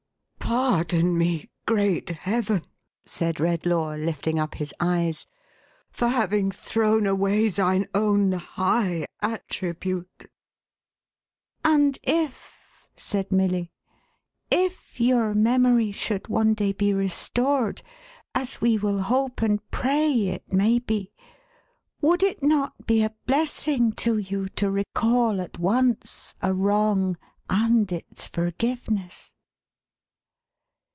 " Pardon me, great Heaven !" said Redlaw, lifting up his eyes, " for having thrown away thine own high attribute !" "And if," said Milly, "if your memory should one day FORGIVENESS. 519 be restored, as we will hope and pray it may be, would it not be a blessing to you to recall at once a wrong and its forgiveness